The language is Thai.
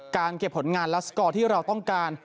เก็บผลงานและสกอร์ที่เราต้องการ